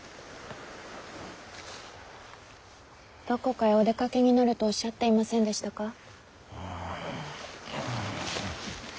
どこかへお出かけになるとおっしゃっていませんでしたか。